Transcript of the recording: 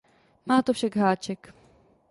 Má to však háček.